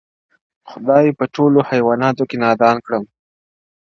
• خدای په ټولوحیوانانو کی نادان کړم -